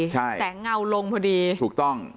ใช่แสงเงาลงพอดีถูกต้อง